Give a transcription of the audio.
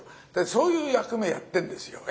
そういう役目やってんですよ。